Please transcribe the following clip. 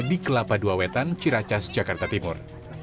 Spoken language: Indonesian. di kelapa dua wetan ciracas jakarta timur